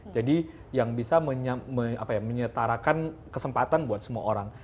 jadi yang bisa menyetarakan kesempatan buat semua orang